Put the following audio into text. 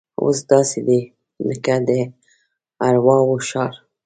اوس داسې دی لکه د ارواو ښار.